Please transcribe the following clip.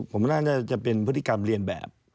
ผมว่าน่าจะเป็นพฤติกรรมเรียนแบบ